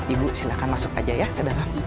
ibu silahkan masuk aja ya ke dalam